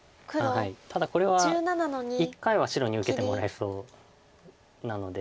ただこれは一回は白に受けてもらえそうなので。